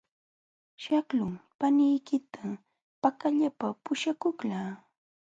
Shaqlunmi paniykita pakallapa puśhakuqlaa.